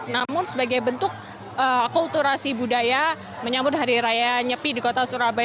namun sebagai bentuk akulturasi budaya menyambut hari raya nyepi di kota surabaya